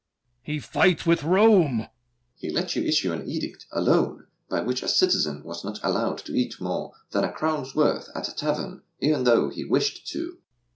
He fights with Rome! DUKE DE BELLEGARDE. He let you issue an edict, alone, By which a citizen was not allowed To eat more than a crown's worth at a tavern, E'en though he wished to.